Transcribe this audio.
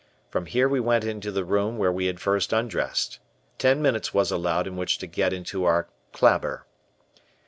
From here we went into the room where we had first undressed. Ten minutes was allowed in which to get into our "clabber."